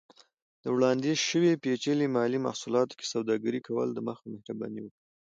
د وړاندیز شوي پیچلي مالي محصولاتو کې سوداګرۍ کولو دمخه، مهرباني وکړئ